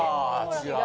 違う？